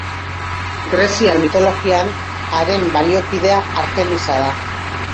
Greziar mitologian, haren baliokidea Artemisa da.